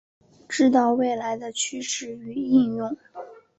知道未来的趋势与应用